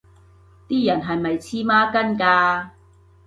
啲人係咪黐孖筋㗎